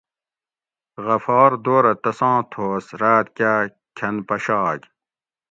غفار دورہ تساں تھوس راۤت کاۤ کھۤن پشاگ